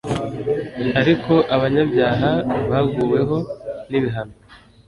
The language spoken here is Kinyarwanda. ariko abanyabyaha baguweho n'ibihano